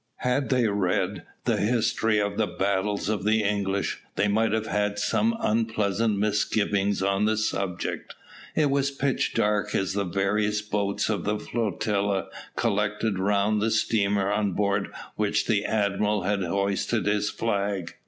Had they read the history of the battles of the English, they might have had some unpleasant misgivings on the subject. It was pitch dark as the various boats of the flotilla collected round the steamer on board which the admiral had hoisted his flag.